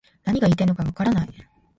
何が言いたいのかわからない